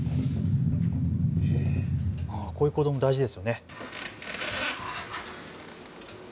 こういう行動も大事ですよね。